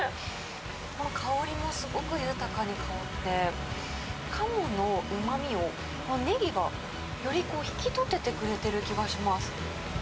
この香りもすごく豊かに香って、カモのうまみを、ネギがより引き立ててくれてる気がします。